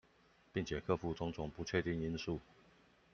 並且克服種種不確定因素